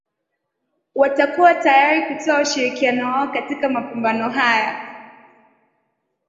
Watakuwa tayari kutoa ushirikiano wao katika mapambano haya